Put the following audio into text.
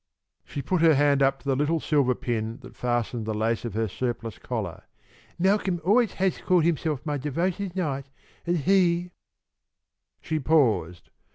She put her hand up to the little silver pin that fastened the lace of her surplice collar. "Malcolm always has called himself my devoted knight, and he " She paused.